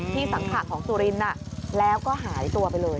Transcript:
สังขะของสุรินทร์แล้วก็หายตัวไปเลย